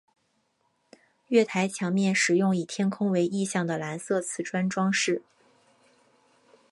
月台墙面使用以天空为意象的蓝色磁砖装饰。